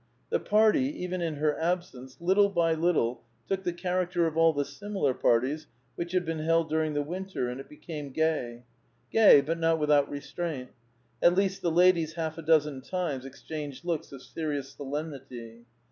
The party, even in her absence, little by little took the character of all the similar parties which had been held during the winter, and it became gay. Gay, but not without restmint. At least, the ladies half a dozen times exchanged looks of serious solemnity.